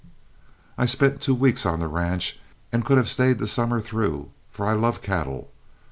I spent two weeks on the ranch and could have stayed the summer through, for I love cattle.